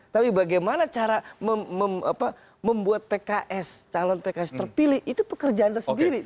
tapi bagaimana cara membuat pks calon pks terpilih itu pekerjaan tersendiri